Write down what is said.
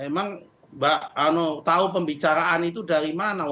emang mbak tahu pembicaraan itu dari mana